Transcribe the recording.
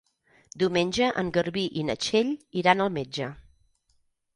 Diumenge en Garbí i na Txell iran al metge.